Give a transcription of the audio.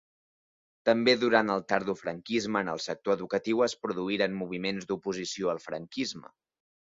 També durant el tardofranquisme en el sector educatiu es produïren moviments d'oposició al franquisme.